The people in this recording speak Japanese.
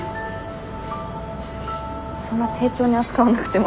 そんな丁重に扱わなくても。